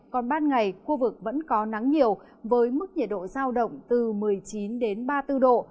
còn ban ngày khu vực vẫn có nắng nhiều với mức nhiệt độ giao động từ một mươi chín đến ba mươi bốn độ